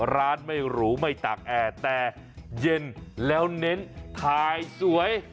ร้านไม่รู้ไม่ตากแอร์แต่เย็นแล้วเน้นถ่ายสวย